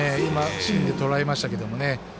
芯でとらえましたけど。